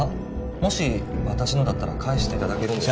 もし私のだったら返していただけるんですか？